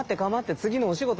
次のお仕事何？